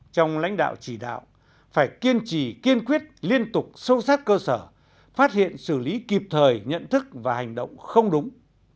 trong lãnh đạo chỉ đạo phải kiên trì kiên quyết liên tục sâu sát cơ sở phát hiện xử lý kịp thời nhận thức và hành động không đúng